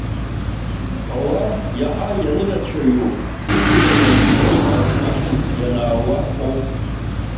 Ауаа иаҳа ианырацәаҩу усура ианцо ма уахьынтәи ианаауа ауп.